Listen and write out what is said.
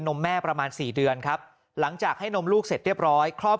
มแม่ประมาณสี่เดือนครับหลังจากให้นมลูกเสร็จเรียบร้อยครอบ